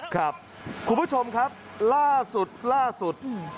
ครับคุณผู้ชมครับล่าสุดล่าสุด